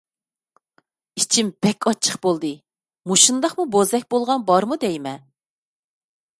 ئىچىم بەك ئاچچىق بولدى. مۇشۇنداقمۇ بوزەك بولغان بارمۇ دەيمەن.